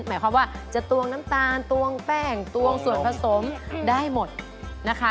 หมายความว่าจะตวงน้ำตาลตวงแป้งตวงส่วนผสมได้หมดนะคะ